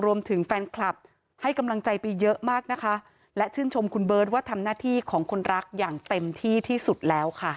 รวมถึงแฟนคลับให้กำลังใจไปเยอะมากนะคะและชื่นชมคุณเบิร์ตว่าทำหน้าที่ของคนรักอย่างเต็มที่ที่สุดแล้วค่ะ